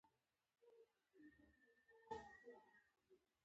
ایا ته بې غیرته یې ؟